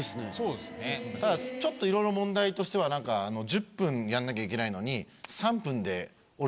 ただちょっといろいろ問題としてはなんか１０分やんなきゃいけないのに。